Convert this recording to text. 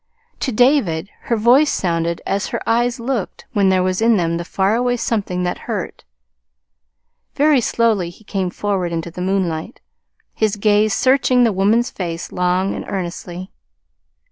To David her voice sounded as her eyes looked when there was in them the far away something that hurt. Very slowly he came forward into the moonlight, his gaze searching the woman's face long and earnestly.